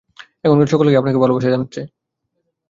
এখানকার সকলকেই আপনাকে ভালবাসা জানাচ্ছে।